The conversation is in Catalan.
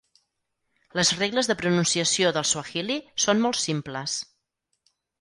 Les regles de pronunciació del suahili són molt simples.